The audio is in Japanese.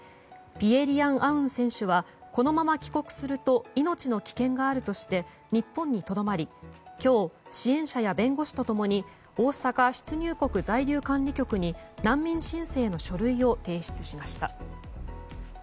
ピエ・リアン・アウン選手はこのまま帰国すると命の危険があるとして日本にとどまり今日、支援者や弁護士と共に大阪出入国在留管理局に難民申請の書類を提出しました。